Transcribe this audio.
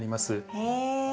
へえ。